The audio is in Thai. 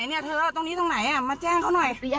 มีเหตุเกิดต่อยกันค่ะทำร้ายร่างกายค่ะ